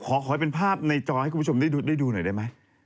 ขอให้เป็นภาพในจอให้คุณผู้ชมได้ดูหน่อยได้ไหม